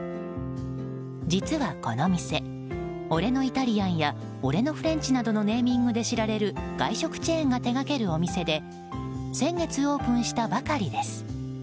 実は、この店俺のイタリアンや俺のフレンチなどのネーミングで知られる外食チェーンが手がけるお店で先月オープンしたばかりです。